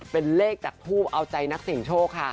เป็นเลขจากผู้เอาใจนักศิลป์โชคค่ะ